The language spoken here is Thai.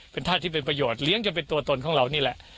เป็นธาตุที่เป็นประโยชน์เลี้ยงจนเป็นตัวตนของเรานี่แหละ